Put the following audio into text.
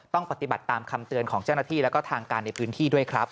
ต้องปฏิบัติตามคำเตือนของเจ้าหน้าที่แล้วก็ทางการในพื้นที่ด้วยครับ